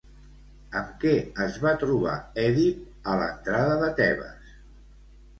Amb què es va trobar Èdip a l'entrada de Tebes?